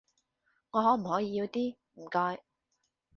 我可唔可以要啲，唔該？